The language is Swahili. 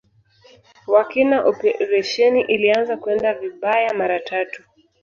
wa kina operesheni ilianza kwenda vibayaa mara tu